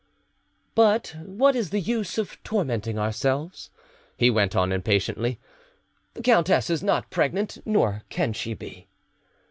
"But what is the use of tormenting ourselves?" he went on impatiently; "the countess is not pregnant, nor can she be."